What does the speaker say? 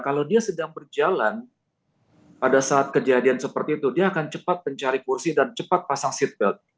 kalau dia sedang berjalan pada saat kejadian seperti itu dia akan cepat mencari kursi dan cepat pasang seatbelt